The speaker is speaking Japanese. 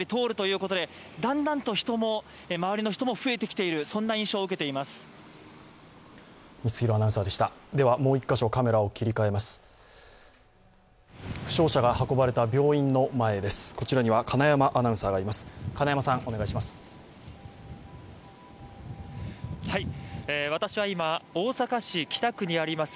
こちらには金山アナウンサーがいます。